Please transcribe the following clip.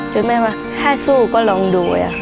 ตรงนี้ถ้าสู้ก็ลองดู